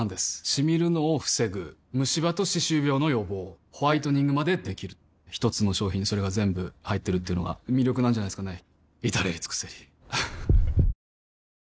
シミるのを防ぐムシ歯と歯周病の予防ホワイトニングまで出来る一つの商品にそれが全部入ってるっていうのが魅力なんじゃないですかね